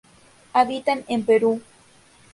Habitan en Perú.